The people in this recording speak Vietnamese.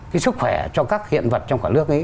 cái sức khỏe cho các hiện vật trong cả nước ấy